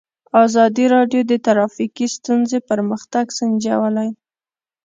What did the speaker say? ازادي راډیو د ټرافیکي ستونزې پرمختګ سنجولی.